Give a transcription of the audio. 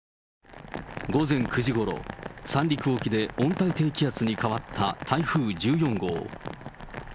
午前９時ごろ、三陸沖で温帯低気圧に変わった台風１４号。